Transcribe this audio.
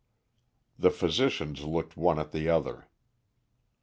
The physicians looked one at the other.